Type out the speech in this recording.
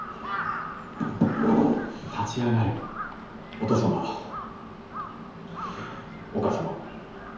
お父様お母様。